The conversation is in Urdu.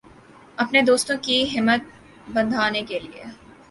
اپنے دوستوں کی ہمت بندھانے کے لئے